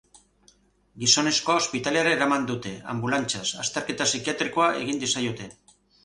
Gizonezkoa ospitalera eraman dute, anbulantziaz, azterketa psikiatrikoa egin diezaioten.